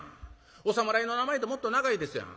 お侍の名前ってもっと長いですやん。